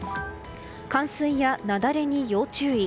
冠水や雪崩に要注意。